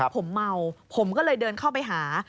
ผมเมาผมก็เลยเดินเข้าไปหา